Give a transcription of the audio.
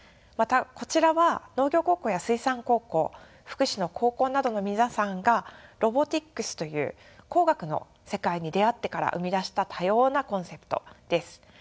またこちらは農業高校や水産高校福祉の高校などの皆さんがロボティクスという工学の世界に出会ってから生み出した多様なコンセプトです。